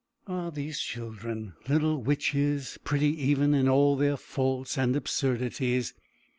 Ah, these children, little witches, pretty even in all their faults and absurdities.